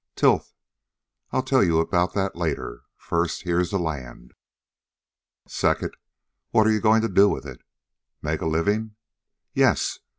Tilth I'll tell you about that later. First, here's the land. Second, what are you going to do with it? Make a living? Yes.